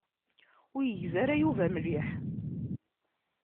Ur yegzi ara Yuba mliḥ.